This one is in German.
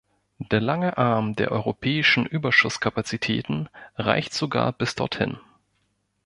Der lange Arm der europäischen Überschusskapazitäten reicht sogar bis dorthin.